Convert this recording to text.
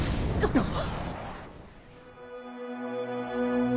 あっ！